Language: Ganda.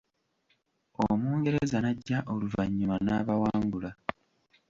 Omungereza n'ajja oluvannyuma n'abawangula.